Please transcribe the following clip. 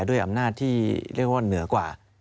ด้วยอำนาจที่เรียกว่าเหนือกว่า